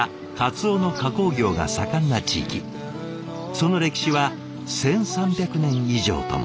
その歴史は１，３００年以上とも。